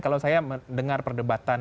kalau saya mendengar perdebatan